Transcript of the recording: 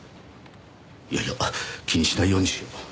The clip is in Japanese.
いやいや気にしないようにしよう。